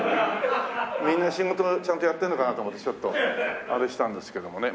みんな仕事ちゃんとやってるのかなと思ってちょっとあれしたんですけどもね。